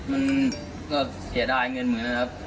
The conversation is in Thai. มันก็เสียดายเงินเหมือนกันครับ